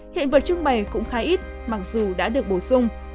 hiện vật trưng bày cũng khá ít mặc dù đã được bổ sung